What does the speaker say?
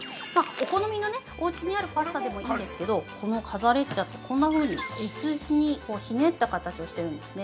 お好みのね、おうちにあるパスタでもいいんですけど、このカザレッチャって、こんなふうにＳ字にひねった形をしているんですね。